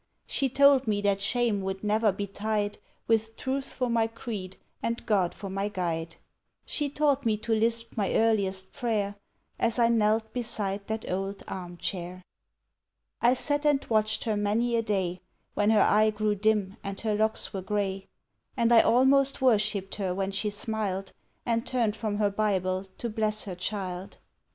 She told me that shame would never betide, With truth for my creed and God for my guide She taught me to lisp my earliest prayer, As I knelt beside that old arm chair. I sat and watched her many a day, When her eye grew dim and her locks were gray; And I almost worshipped her when she smiled, And turned from her Bible to bless her child.